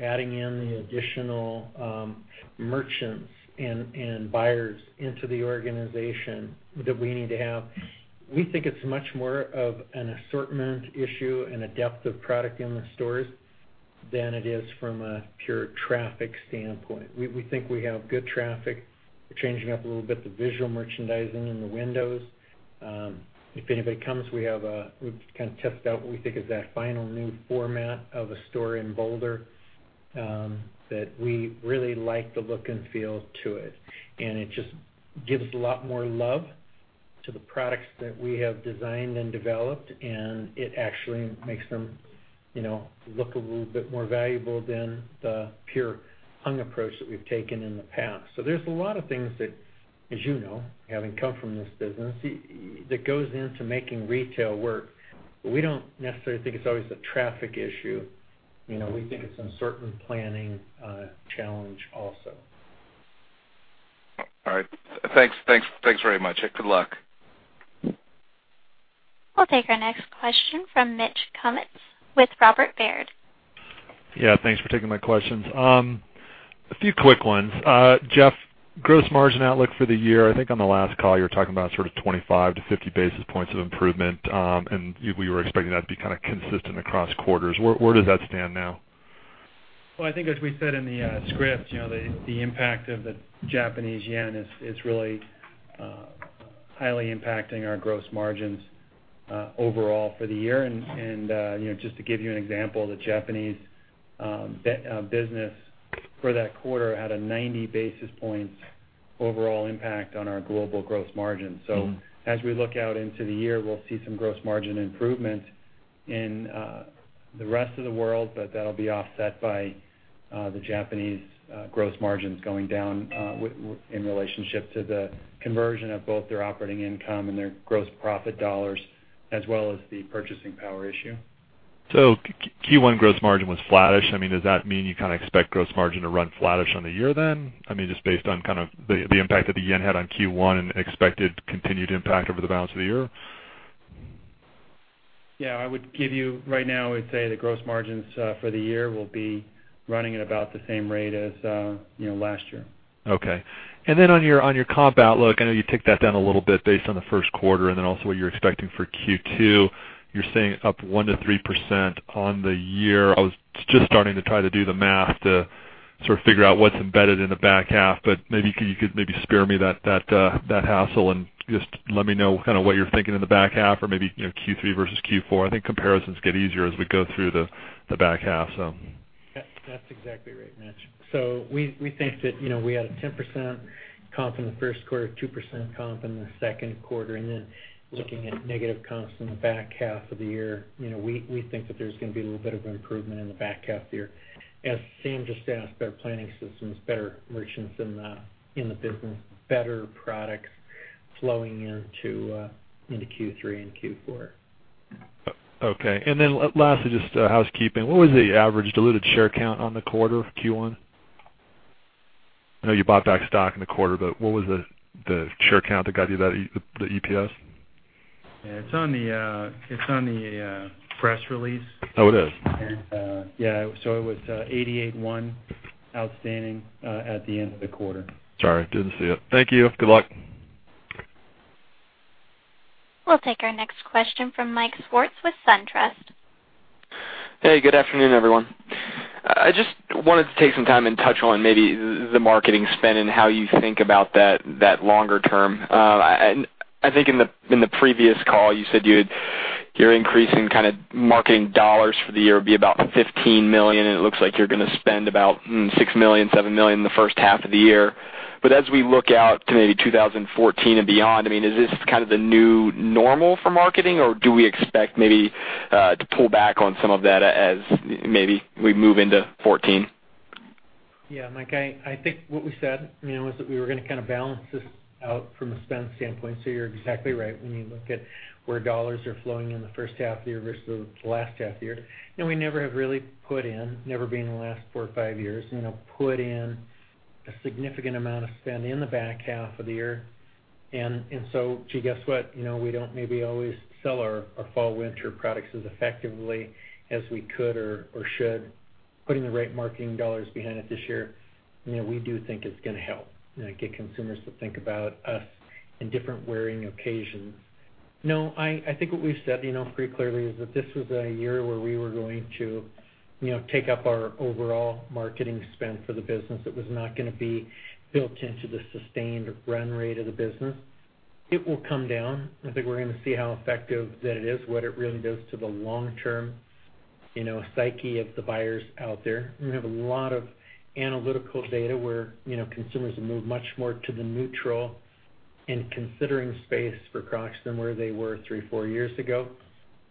adding in the additional merchants and buyers into the organization that we need to have. We think it's much more of an assortment issue and a depth of product in the stores than it is from a pure traffic standpoint. We think we have good traffic. We're changing up a little bit, the visual merchandising in the windows. If anybody comes, we've kind of tested out what we think is that final new format of a store in Boulder, that we really like the look and feel to it. It just gives a lot more love to the products that we have designed and developed, and it actually makes them look a little bit more valuable than the pure hung approach that we've taken in the past. There's a lot of things that, as you know, having come from this business, that goes into making retail work. We don't necessarily think it's always a traffic issue. We think it's an assortment planning challenge also. All right. Thanks very much. Good luck. We'll take our next question from Mitch Kummetz with Robert W. Baird. Yeah. Thanks for taking my questions. A few quick ones. Jeff, gross margin outlook for the year. I think on the last call, you were talking about sort of 25 to 50 basis points of improvement. We were expecting that to be kind of consistent across quarters. Where does that stand now? Well, I think as we said in the script, the impact of the Japanese yen is really highly impacting our gross margins overall for the year. Just to give you an example, the Japanese business for that quarter had a 90 basis points overall impact on our global gross margin. As we look out into the year, we'll see some gross margin improvement in the rest of the world, but that'll be offset by the Japanese gross margins going down, in relationship to the conversion of both their operating income and their gross profit dollars, as well as the purchasing power issue. Q1 gross margin was flattish. Does that mean you kind of expect gross margin to run flattish on the year then? Just based on kind of the impact that the yen had on Q1 and expected continued impact over the balance of the year? Yeah, right now, I would say the gross margins for the year will be running at about the same rate as last year. Okay. On your comp outlook, I know you took that down a little bit based on the first quarter and also what you're expecting for Q2. You're saying up 1%-3% on the year. I was just starting to try to do the math to sort of figure out what's embedded in the back half, but maybe you could spare me that hassle and just let me know kind of what you're thinking in the back half or maybe, Q3 versus Q4. I think comparisons get easier as we go through the back half. That's exactly right, Mitch. We think that, we had a 10% comp in the first quarter, 2% comp in the second quarter, and then looking at negative comps in the back half of the year. We think that there's going to be a little bit of an improvement in the back half of the year. As Sam just asked, better planning systems, better merchants in the business, better products flowing into Q3 and Q4. Okay. Lastly, just housekeeping. What was the average diluted share count on the quarter, Q1? I know you bought back stock in the quarter, but what was the share count that got you the EPS? Yeah, it's on the press release. Oh, it is. Yeah, it was 881 outstanding at the end of the quarter. Sorry, didn't see it. Thank you. Good luck. We'll take our next question from Michael Swartz with SunTrust. Hey, good afternoon, everyone. I just wanted to take some time and touch on maybe the marketing spend and how you think about that longer term. I think in the previous call, you said your increase in kind of marketing dollars for the year would be about $15 million. It looks like you're going to spend about $6 million, $7 million in the first half of the year. As we look out to maybe 2014 and beyond, is this kind of the new normal for marketing, or do we expect maybe to pull back on some of that as maybe we move into 2014? Yeah, Mike, I think what we said was that we were going to kind of balance this out from a spend standpoint. You're exactly right when you look at where dollars are flowing in the first half of the year versus the last half of the year. We never have really put in, never been in the last four or five years, put in a significant amount of spend in the back half of the year. Gee, guess what? We don't maybe always sell our fall/winter products as effectively as we could or should. Putting the right marketing dollars behind it this year, we do think it's going to help get consumers to think about us in different wearing occasions. No, I think what we've said pretty clearly is that this was a year where we were going to take up our overall marketing spend for the business. It was not going to be built into the sustained run rate of the business. It will come down. I think we're going to see how effective that it is, what it really does to the long-term psyche of the buyers out there. We have a lot of analytical data where consumers have moved much more to the neutral and considering space for Crocs than where they were three, four years ago.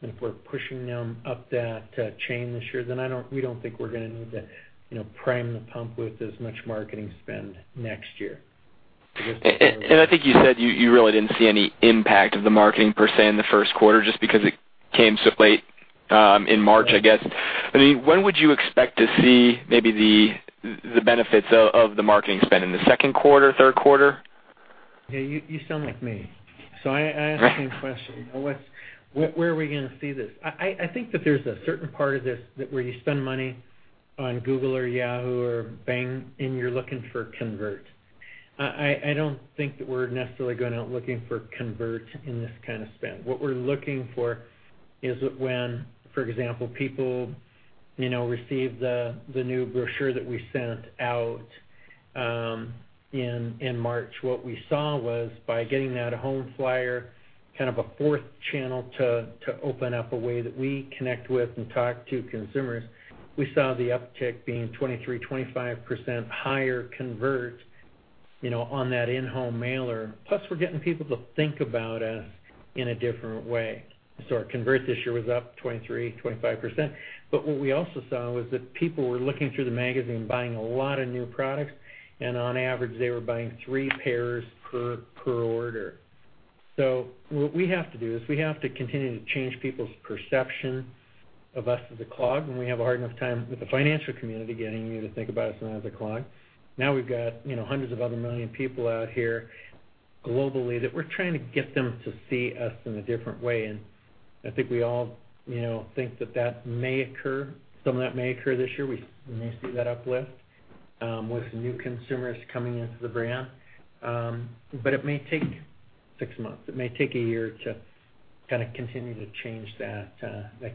If we're pushing them up that chain this year, we don't think we're going to need to prime the pump with as much marketing spend next year. I think you said you really didn't see any impact of the marketing per se in the first quarter, just because it came so late in March, I guess. When would you expect to see maybe the benefits of the marketing spend? In the second quarter, third quarter? Yeah, you sound like me. I asked the same question. Where are we going to see this? I think that there's a certain part of this that where you spend money on Google or Yahoo or Bing, and you're looking for convert. I don't think that we're necessarily going out looking for convert in this kind of spend. What we're looking for is when, for example, people receive the new brochure that we sent out in March. What we saw was by getting that home flyer, kind of a fourth channel to open up a way that we connect with and talk to consumers, we saw the uptick being 23%-25% higher convert on that in-home mailer. We're getting people to think about us in a different way. Our convert this year was up 23%-25%. What we also saw was that people were looking through the magazine, buying a lot of new products, and on average, they were buying three pairs per order. What we have to do is we have to continue to change people's perception of us as a clog. We have a hard enough time with the financial community getting you to think about us not as a clog. We've got hundreds of other million people out here globally that we're trying to get them to see us in a different way. I think we all think that some of that may occur this year. We may see that uplift with new consumers coming into the brand. It may take six months. It may take a year to kind of continue to change that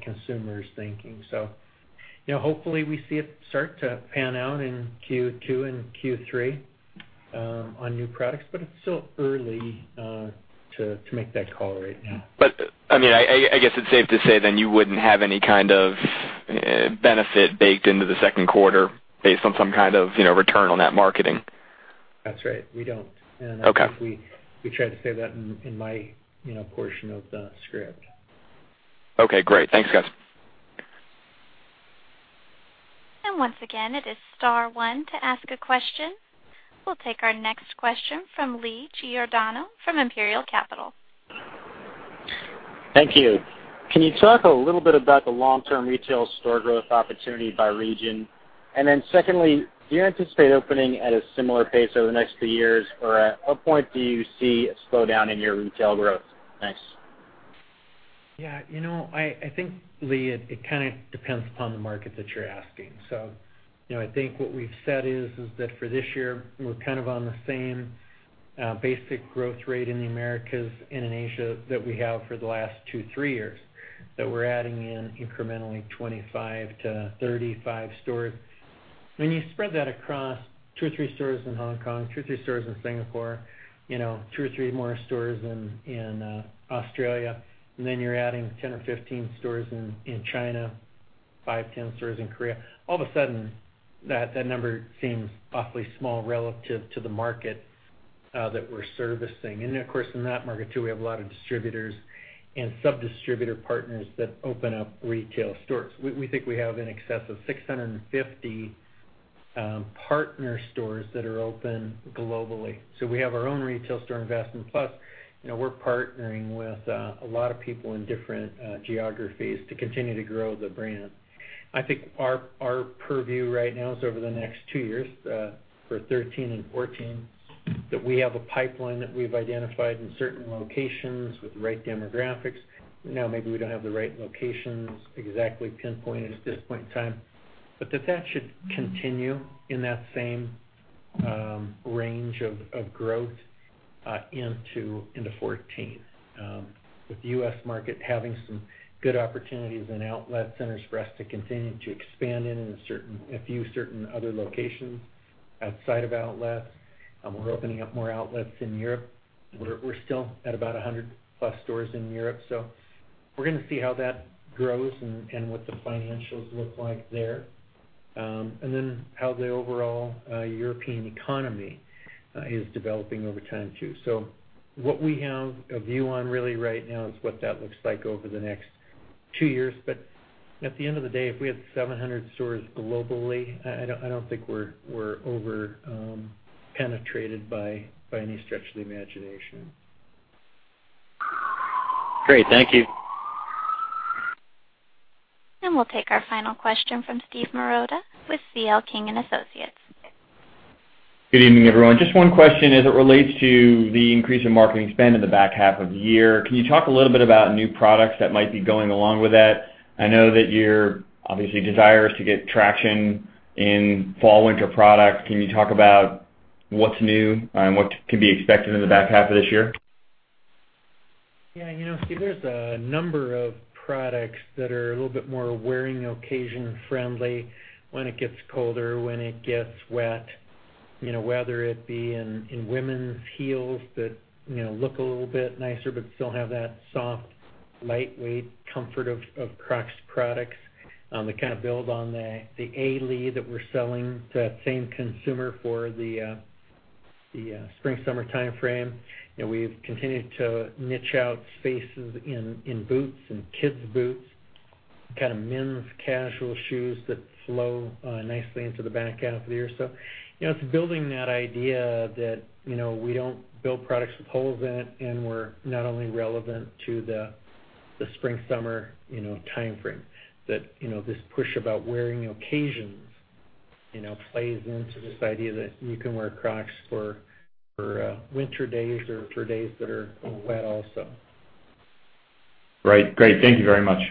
consumer's thinking. Hopefully we see it start to pan out in Q2 and Q3 on new products, it's still early to make that call right now. I guess it's safe to say then you wouldn't have any kind of benefit baked into the second quarter based on some kind of return on that marketing? That's right. We don't. Okay. I think we tried to say that in my portion of the script. Okay, great. Thanks, guys. Once again, it is star one to ask a question. We'll take our next question from Lee Giordano from Imperial Capital. Thank you. Can you talk a little bit about the long-term retail store growth opportunity by region? Secondly, do you anticipate opening at a similar pace over the next few years, or at what point do you see a slowdown in your retail growth? Thanks. Yeah, I think, Lee, it kind of depends upon the market that you're asking. I think what we've said is that for this year, we're kind of on the same basic growth rate in the Americas and in Asia that we have for the last two, three years. That we're adding in incrementally 25 to 35 stores. When you spread that across two or three stores in Hong Kong, two or three stores in Singapore, two or three more stores in Australia, you're adding 10 or 15 stores in China, five, 10 stores in Korea. All of a sudden, that number seems awfully small relative to the market that we're servicing. Of course, in that market, too, we have a lot of distributors and sub-distributor partners that open up retail stores. We think we have in excess of 650 partner stores that are open globally. We have our own retail store investment. Plus, we're partnering with a lot of people in different geographies to continue to grow the brand. I think our purview right now is over the next two years, for 2013 and 2014, that we have a pipeline that we've identified in certain locations with the right demographics. Now, maybe we don't have the right locations exactly pinpointed at this point in time. That should continue in that same range of growth into 2014. With the U.S. market having some good opportunities and outlet centers for us to continue to expand in a few certain other locations outside of outlets. We're opening up more outlets in Europe. We're still at about 100 plus stores in Europe, we're going to see how that grows and what the financials look like there. How the overall European economy is developing over time, too. What we have a view on really right now is what that looks like over the next two years. At the end of the day, if we have 700 stores globally, I don't think we're over-penetrated by any stretch of the imagination. Great. Thank you. We'll take our final question from Steven Marotta with C.L. King & Associates. Good evening, everyone. Just one question as it relates to the increase in marketing spend in the back half of the year. Can you talk a little bit about new products that might be going along with that? I know that you're obviously desirous to get traction in fall/winter products. Can you talk about what's new and what could be expected in the back half of this year? Yeah, Steve, there's a number of products that are a little bit more wearing occasion friendly when it gets colder, when it gets wet, whether it be in women's heels that look a little bit nicer but still have that soft, lightweight comfort of Crocs products. They kind of build on the A-Leigh that we're selling to that same consumer for the spring/summer timeframe. We've continued to niche out spaces in boots and kids boots, kind of men's casual shoes that flow nicely into the back half of the year. It's building that idea that we don't build products with holes in it, and we're not only relevant to the spring/summer timeframe. That this push about wearing occasions plays into this idea that you can wear Crocs for winter days or for days that are wet also. Right. Great. Thank you very much.